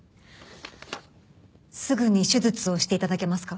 すぐに手術をして頂けますか？